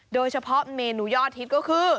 โดยเฉพาะเมนูยอดฮิตก็คือ